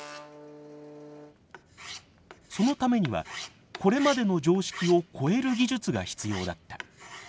そのためにはこれまでの常識を超える技術が必要だった。